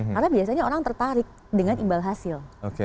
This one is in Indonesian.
karena biasanya orang tertarik dengan imbal hasil